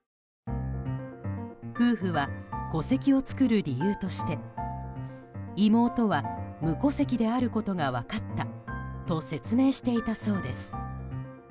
夫婦は戸籍を作る理由として妹は無戸籍であることが分かったと説明していたそうです。